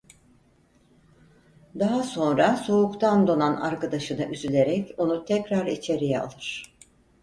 Daha sonra soğuktan donan arkadaşına üzülerek onu tekrar içeriye alır.